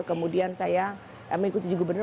kemudian saya mengikuti gubernur